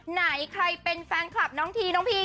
ไหนใครเป็นแฟนคลับน้องทีน้องพี